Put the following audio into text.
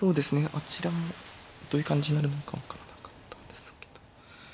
あちらもどういう感じになるのか分からなかったですけど。